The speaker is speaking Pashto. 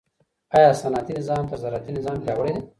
آیا صنعتي نظام تر زراعتي نظام پیاوړی دی؟